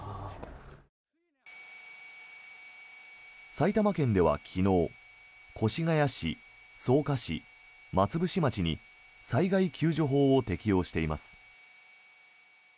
埼玉県では昨日越谷市、草加市、松伏町に災害救助法を適用しています。